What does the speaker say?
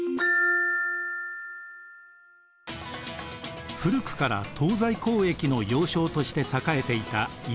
古くから東西交易の要衝として栄えていたイスタンブル。